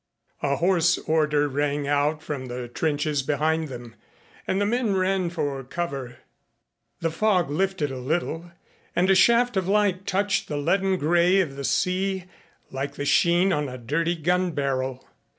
A hoarse order rang out from the trenches behind them and the men ran for cover. The fog lifted a little and a shaft of light touched the leaden gray of the sea like the sheen on a dirty gun barrel.